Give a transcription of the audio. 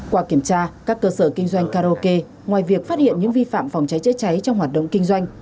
qua kiểm tra các cơ sở kinh doanh karaoke ngoài việc phát hiện những vi phạm phòng cháy chữa cháy trong hoạt động kinh doanh